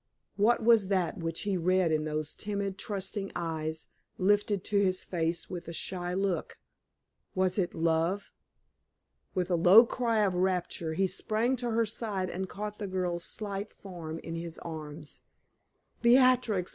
What was that which he read in those timid, trusting eyes lifted to his face with a shy look? Was it love? With a low cry of rapture, he sprang to her side and caught the girl's slight form in his arms. "Beatrix!